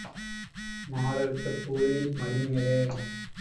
மாரடித்த கூலி மடி மேலே.